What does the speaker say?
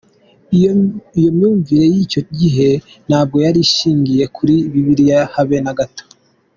Iyo myumvire y’icyo gihe ntabwo yari ishingiye kuri Bibiliya habe na gato.